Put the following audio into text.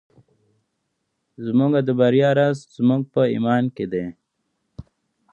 زموږ د بریا راز په زموږ په ایمان کې دی.